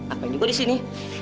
apaan juga di sini